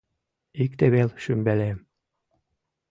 Икте вел шӱмбелем